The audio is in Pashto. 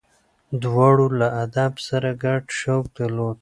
دواړو له ادب سره ګډ شوق درلود.